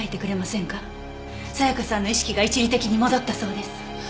沙也加さんの意識が一時的に戻ったそうです。